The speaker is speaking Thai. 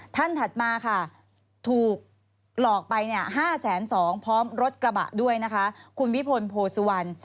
ท่านถัดมาถูกหลอกไป๕๒๐๐๐๐๐บาทพร้อมรถกระบะด้วยคุณวิพลโพสวรรค์